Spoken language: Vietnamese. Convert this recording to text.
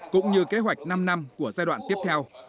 cũng như kế hoạch năm năm của giai đoạn tiếp theo